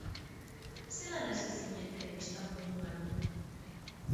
Zelan hasi zinen telebista munduan?